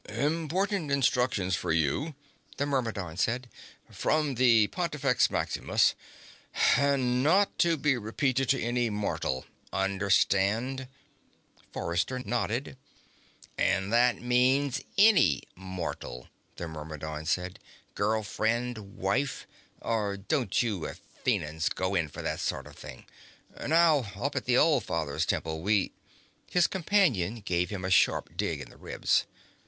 "Important instructions for you," the Myrmidon said. "From the Pontifex Maximus. And not to be repeated to any mortal understand?" Forrester nodded. "And that means any mortal," the Myrmidon said. "Girl friend, wife or don't you Athenans go in for that sort of thing? Now, up at the All Father's Temple, we " His companion gave him a sharp dig in the ribs.